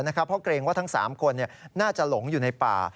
เพราะเกรงว่าทั้ง๓คนน่าจะหลงอยู่ในป่า